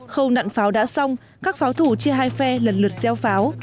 khâu nạn pháo đã xong các pháo thủ chia hai phe lần lượt gieo pháo